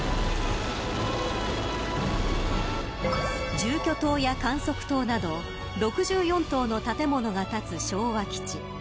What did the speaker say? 住居棟や観測棟など６４棟の建物が建つ昭和基地。